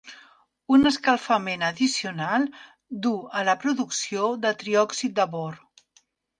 Un escalfament addicional duu a la producció de triòxid de bor.